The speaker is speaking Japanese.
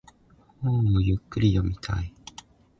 本をゆっくり読みたい。